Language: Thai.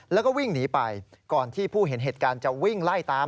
แล้วก็วิ่งหนีไปก่อนที่ผู้เห็นเหตุการณ์จะวิ่งไล่ตาม